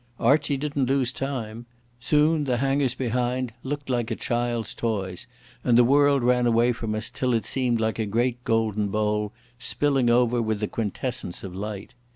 Archie didn't lose time. Soon the hangars behind looked like a child's toys, and the world ran away from us till it seemed like a great golden bowl spilling over with the quintessence of light.